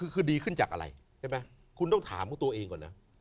คือดีขึ้นจากอะไรใช่ไหมคุณต้องถามกับตัวเองก่อนนะ